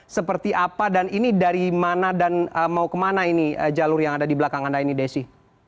seperti apa dan ini dari mana dan mau kemana ini jalur yang ada di belakang anda ini desi